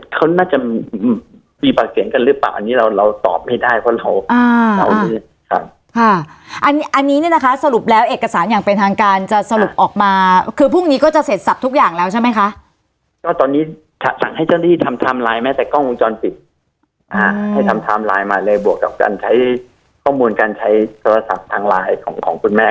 เขาน่าจะมีปากเสียงกันหรือเปล่าอันนี้เราเราตอบไม่ได้เพราะเราอ่าเหล่านี้ครับค่ะอันนี้เนี่ยนะคะสรุปแล้วเอกสารอย่างเป็นทางการจะสรุปออกมาคือพรุ่งนี้ก็จะเสร็จสับทุกอย่างแล้วใช่ไหมคะก็ตอนนี้สั่งให้เจ้าหน้าที่ทำไทม์ไลน์แม้แต่กล้องวงจรปิดอ่าให้ทำไทม์ไลน์มาเลยบวกกับการใช้ข้อมูลการใช้โทรศัพท์ทางไลน์ของของคุณแม่